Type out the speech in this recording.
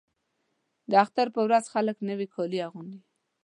د اختر په ورځ خلک نوي کالي اغوندي.